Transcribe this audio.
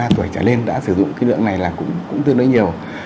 một mươi hai một mươi ba tuổi trở lên đã sử dụng cái lượng này là cũng tương đối nhiều